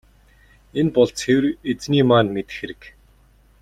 Энэ бол цэвэр Эзэний маань мэдэх хэрэг.